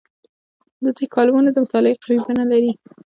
د دوی کالمونه د مطالعې قوي بڼې لري.